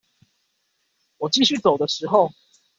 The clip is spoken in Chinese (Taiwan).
我繼續走的時候